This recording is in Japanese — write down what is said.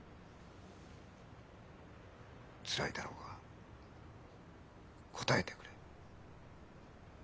つらいだろうが答えてくれ。